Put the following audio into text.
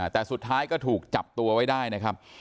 แต่สุดท้ายก็ถูกจับตัวไว้ได้นะครับ